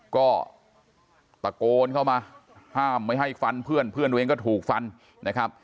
ก็ตะโกนเข้ามาห้ามไม่ให้ฟันเพื่อนเพื่อนตัวเองก็ถูกฟันนะครับ